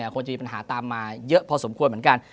ควรจะมีปัญหาตามมาเยอะพอสมควรเหมือนกัน